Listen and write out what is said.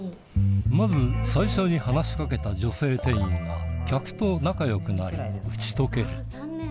まず最初に話し掛けた女性店員が客と仲良くなり打ち解ける